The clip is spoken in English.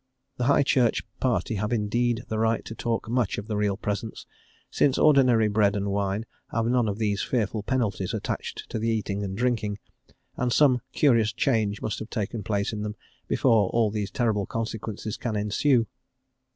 The High Church party have indeed the right to talk much of the real presence, since ordinary bread and wine have none of these fearful penalties attached to the eating and drinking, and some curious change must have taken place in them before all these terrible consequences can ensue.